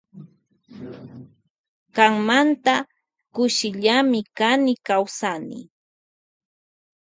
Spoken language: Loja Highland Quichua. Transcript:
Kanmanta kawsani kushilla kani.